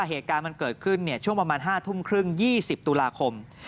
เหตุการณ์มันเกิดขึ้นเนี้ยช่วงประมาณห้าทุ่มครึ่งยี่สิบตุลาคม